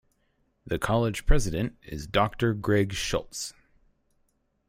The college president is Doctor Greg Schulz.